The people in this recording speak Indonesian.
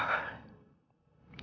ini semua karena